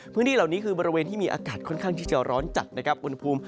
พื้นที่เหล่านี้คือบริเวณที่มีอากาศค่อนข้างที่จะร้อนจัดนะครับอุณหภูมิ